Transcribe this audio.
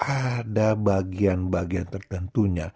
ada bagian bagian tertentunya